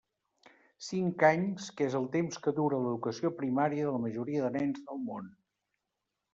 Cinc anys, que és el temps que dura l'educació primària de la majoria de nens del món.